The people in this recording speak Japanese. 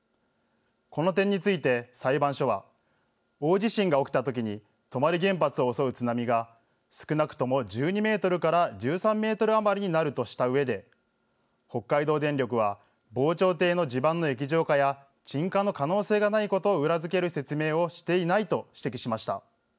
この点について裁判所は、大地震が起きたときに泊原発を襲う津波が、少なくとも１２メートルから１３メートル余りになるとしたうえで、北海道電力は防潮堤の地盤の液状化や、沈下の可能性がないことを裏付ける説明をしていないと指摘しました。